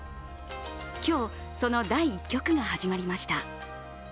今日、その第１局が始まりました。